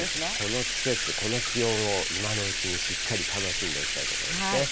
この季節、この気温を今のうちにしっかり楽しんでおきたいところですね。